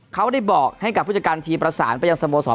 เขาได้บอกให้กับผู้จัดการทีมประสานประยังสมสรรค์ปรัฐนีย์